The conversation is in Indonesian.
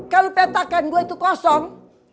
kalau petakan gua itu kosong